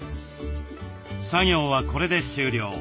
作業はこれで終了。